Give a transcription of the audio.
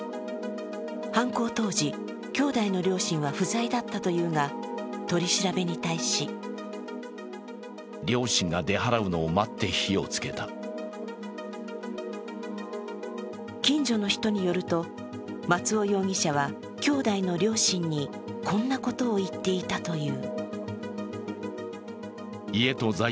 犯行当時、兄弟の両親は不在だったというが、取り調べに対し近所の人によると、松尾容疑者は兄弟の両親にこんなことを言っていたという。